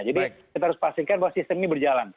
jadi kita harus pastikan bahwa sistem ini berjalan